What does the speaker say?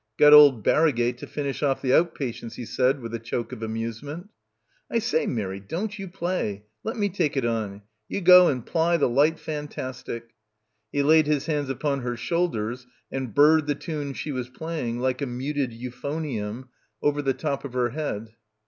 "Got old Barrowgate to finish off the out patients," he said with a choke of amusement. "I say, Mirry, don't you play. Let me take it on. You go and ply the light fantastic." He laid his hands upon her shoulders and burred the tune she was playing like a muted euphonium over the top of her head.